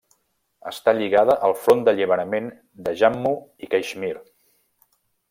Està lligada al Front d'Alliberament de Jammu i Caixmir.